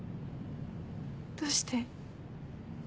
どうして？